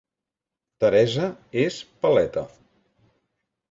Teresa és paleta